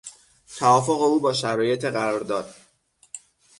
توافق او با شرایط قرار داد